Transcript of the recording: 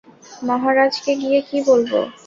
মহারাজকে গিয়া কী বলিব।